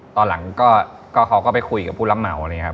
ตอนหลังก็เขาก็ไปคุยกับผู้รับเหมาอะไรอย่างนี้ครับ